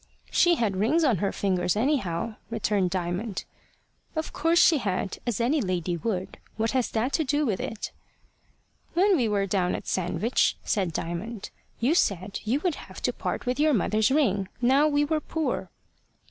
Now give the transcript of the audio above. "She had rings on her fingers, anyhow," returned Diamond. "Of course she had, as any lady would. What has that to do with it?" "When we were down at Sandwich," said Diamond, "you said you would have to part with your mother's ring, now we were poor."